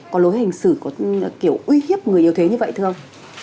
có lối hành xử kiểu uy hiếp người yêu thế như vậy thưa ông